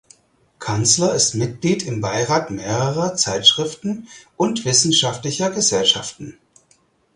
Kanzler ist Mitglied im Beirat mehrerer Zeitschriften und wissenschaftlicher Gesellschaften.